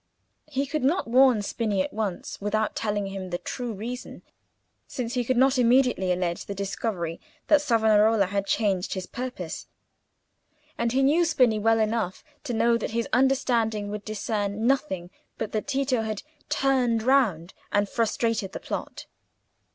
He could not warn Spini at once without telling him the true reason, since he could not immediately allege the discovery that Savonarola had changed his purpose; and he knew Spini well enough to know that his understanding would discern nothing but that Tito had "turned round" and frustrated the plot.